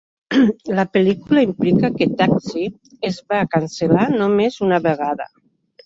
La pel·lícula implica que "Taxi" es va cancel·lar només una vegada.